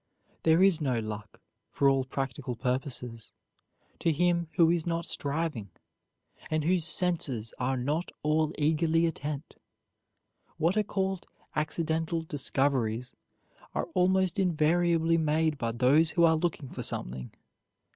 There is no luck, for all practical purposes, to him who is not striving, and whose senses are not all eagerly attent. What are called accidental discoveries are almost invariably made by those who are looking for something.